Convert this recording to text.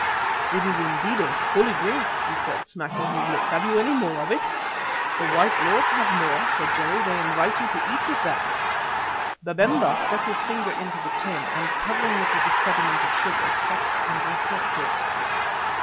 "It is indeed a holy drink," he said, smacking his lips. "Have you any more of it?" "The white lords have more," said Jerry. "They invite you to eat with them." Babemba stuck his finger into the tin, and covering it with the sediment of sugar, sucked and reflected.